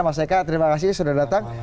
mas eka terima kasih sudah datang